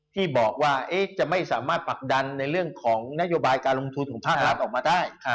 ที่บอกว่าจะไม่สามารถปักดันในเรื่องของนโยบายการลงทุนของภาครัฐออกมาได้